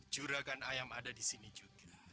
juragan ayam ada di sini juga